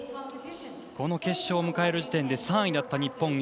この決勝を迎える時点で３位だった日本。